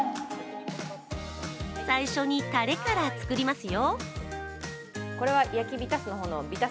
最初にたれから作りますよ。